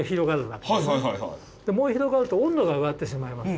燃え広がると温度が上がってしまいます。